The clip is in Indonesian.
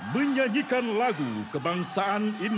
pemirsa dan hadirin sekalian